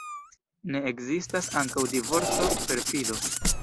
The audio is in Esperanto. Ne ekzistas ankaŭ divorco, perfido.